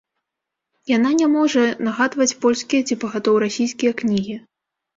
Яна не можа нагадваць польскія ці пагатоў расійскія кнігі.